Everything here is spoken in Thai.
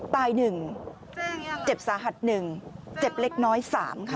ตาย๑เจ็บสาหัส๑เจ็บเล็กน้อย๓ค่ะ